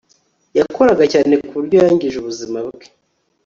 Yakoraga cyane ku buryo yangije ubuzima bwe